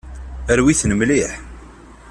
Rwit-ten mliḥ.